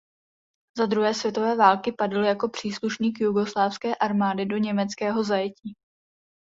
Za druhé světové války padl jako příslušník jugoslávské armády do německého zajetí.